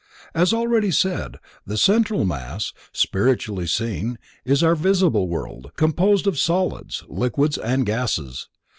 As already said, the central mass, spiritually seen, is our visible world, composed of solids, liquids and gases.